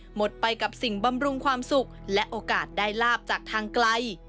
หมดไปกับสิ่งบำรุงความสุขและโอกาสได้ลาบจากทางไกล